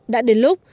đã đến lúc